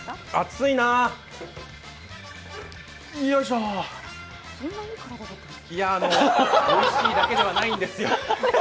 いや、おいしいだけではないんですよ。